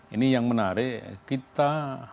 ini yang menarik kita